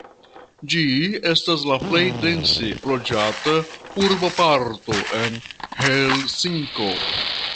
Ĝi estas la plej dense loĝata urboparto en Helsinko.